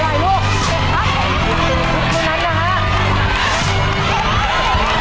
ลูกตกพรุ่งนั้นนะครับ